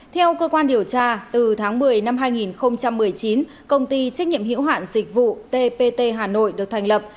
theo cơ quan điều tra từ tháng một mươi năm hai nghìn một mươi chín công ty trách nhiệm hiểu hạn dịch vụ tpt hà nội được thành lập